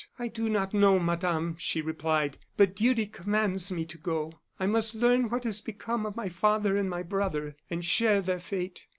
"I do not know, Madame," she replied; "but duty commands me to go. I must learn what has become of my father and my brother, and share their fate."